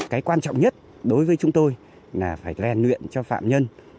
cái quan trọng nhất đối với chúng tôi là phải rèn luyện cho phạm nhân